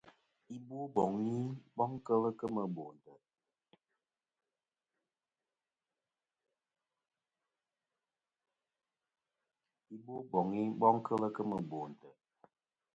I Boboŋ i boŋ kel kemɨ bò ntè'.